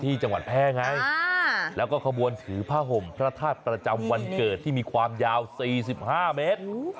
ที่จังหวัดแพร่ไงแล้วก็ขบวนถือผ้าห่มพระธาตุประจำวันเกิดที่มีความยาว๔๕เมตร